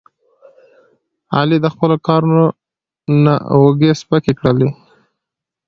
علي د خپلو کارونو نه اوږې سپکې کړلې.